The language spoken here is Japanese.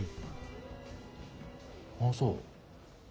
あっそう。